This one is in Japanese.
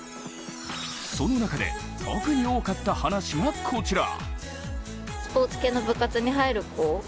その中で特に多かった話がこちら。